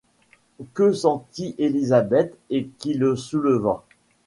Que sentit Élisée et qui le souleva ;